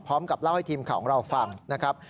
พร้อมกับเล่าให้ทีมข่าวของเราฟังนะครับ